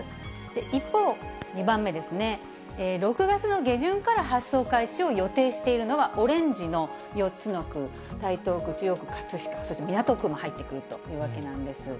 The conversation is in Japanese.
一方、２番目ですね、６月の下旬から発送開始を予定しているのは、オレンジの４つの区、台東区、中央区、葛飾、そして港区も入ってくるというわけなんです。